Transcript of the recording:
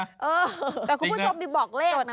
แต่คุณผู้ชมมีบอกเลขนะพวกนี้